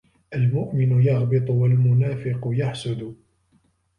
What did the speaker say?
الْمُؤْمِنُ يَغْبِطُ وَالْمُنَافِقُ يَحْسُدُ